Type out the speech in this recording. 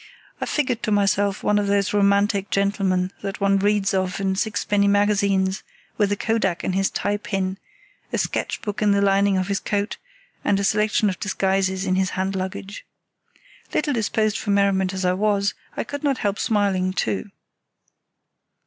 I figured to myself one of those romantic gentlemen that one reads of in sixpenny magazines, with a Kodak in his tie pin, a sketch book in the lining of his coat, and a selection of disguises in his hand luggage. Little disposed for merriment as I was, I could not help smiling, too.